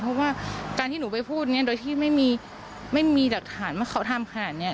เพราะว่าการที่หนูไปพูดเนี่ยโดยที่ไม่มีหลักฐานว่าเขาทำขนาดนี้